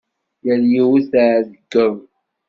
Yal yiwet tɛeggeḍ.